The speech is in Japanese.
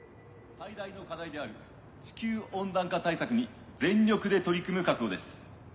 最大の課題である地球温暖化対策に全力で取り組む覚悟です。